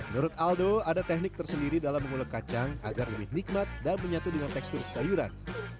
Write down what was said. menurut aldo ada teknik tersendiri dalam mengulek kacang agar lebih nikmat dan menyatu dengan tekstur sayuran